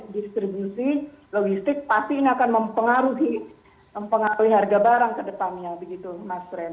distribusi logistik pasti ini akan mempengaruhi harga barang ke depannya begitu mas ren